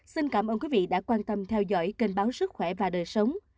xin cảm ơn quý vị đã quan tâm theo dõi kênh báo sức khỏe và đời sống